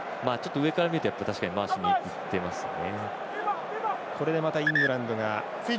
上から見ると回しにいっていますね。